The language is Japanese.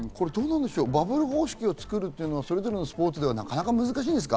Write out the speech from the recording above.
バブル方式を作るというのはそれぞれのスポーツではなかなか難しいですか？